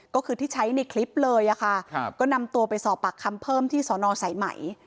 ก็คือที่ใช้ในคลิปเลยอะค่ะก็นำตัวไปสอบปากคำเพิ่มที่สอนอสายไหม